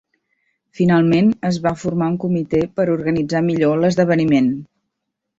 Finalment, es va formar un comitè per organitzar millor l"esdeveniment.